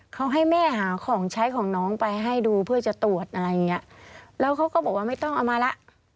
เขาให้แม่หาของใช้ของน้องไปให้ดูเพื่อจะตรวจอะไรอย่างเงี้ยแล้วเขาก็บอกว่าไม่ต้องเอามาละ